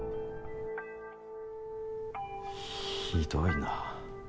ひどいな。